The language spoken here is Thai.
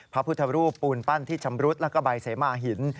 พระพุทธรูปปูนปั้นที่ชำรุดแล้วก็ใบเสมาหิน